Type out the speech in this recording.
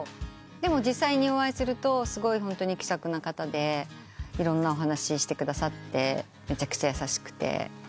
でも実際にお会いするとすごい気さくな方でいろんなお話してくださってめちゃくちゃ優しくて。